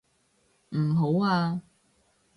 唔好啊！